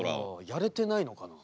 やれてないのかな？